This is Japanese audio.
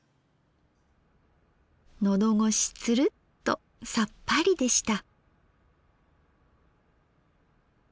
のどごしツルッとさっぱりでした。